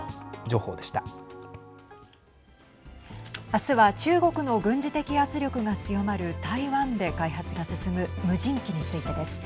明日は中国の軍事的圧力が強まる台湾で開発が進む無人機についてです。